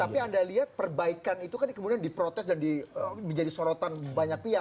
tapi anda lihat perbaikan itu kan kemudian diprotes dan menjadi sorotan banyak pihak